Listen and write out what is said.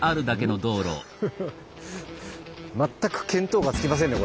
全く見当がつきませんね